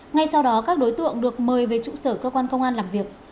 ngay sau đó các đối tượng được mời về trụ sở cơ quan công an làm việc